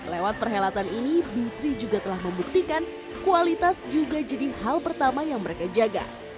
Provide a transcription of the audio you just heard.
lewat perhelatan ini b tiga juga telah membuktikan kualitas juga jadi hal pertama yang mereka jaga